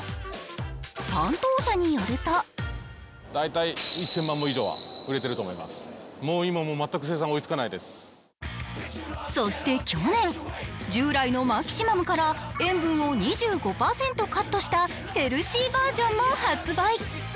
担当者によるとそして去年、従来のマキシマムから塩分を２５％カットしたヘルシーバージョンも販売。